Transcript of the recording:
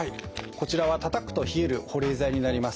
こちらはたたくと冷える保冷剤になります。